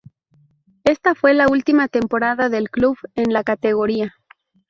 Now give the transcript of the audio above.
Esta fue la última temporada del club en la categoría.